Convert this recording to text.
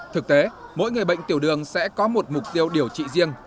thực tế mỗi người bệnh tiểu đường sẽ có một mục tiêu điều trị riêng